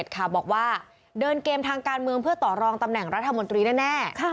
บอกว่าเดินเกมทางการเมืองเพื่อต่อรองตำแหน่งรัฐมนตรีแน่